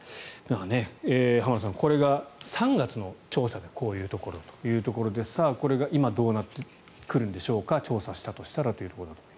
浜田さんこれが３月の調査でこういうところということでこれが今どうなってくるんでしょうか調査したらという。